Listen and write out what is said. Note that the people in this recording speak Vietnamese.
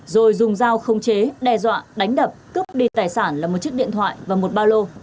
rồi dùng dao không chế đe dọa đánh đập cướp đi tài sản là một chiếc điện thoại và một ba lô